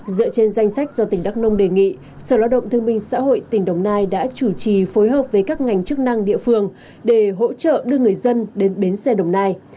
dựa trên danh sách do tỉnh đắk nông đề nghị sở lao động thương minh xã hội tỉnh đồng nai đã chủ trì phối hợp với các ngành chức năng địa phương để hỗ trợ đưa người dân đến bến xe đồng nai